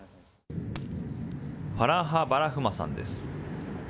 ファラーハ・バラフマさんです。